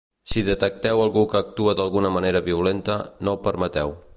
Si detecteu algú que actua d’alguna manera violenta, no ho permeteu.